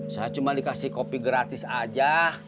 saya cuma dikasih kopi gratis aja